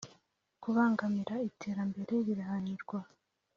kubangamira iterambere birahanirwa.